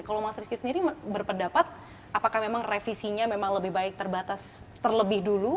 kalau mas rizky sendiri berpendapat apakah memang revisinya memang lebih baik terbatas terlebih dulu